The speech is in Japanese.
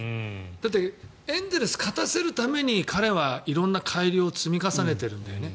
だってエンゼルスを勝たせるために彼は色んな改良を積み重ねてるんだよね。